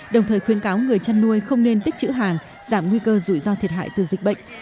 đồng thời khuyến cáo người chăn nuôi không nên tích chữ hàng giảm nguy cơ rủi ro thiệt hại từ dịch bệnh